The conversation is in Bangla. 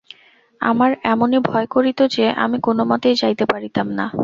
আমার এমনি ভয় করিত যে, আমি কোন মতেই যাইতে পারিতাম না।